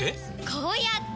こうやって！